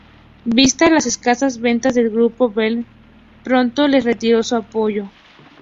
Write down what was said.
Vistas las escasas ventas del grupo, Belter pronto les retiró su apoyo.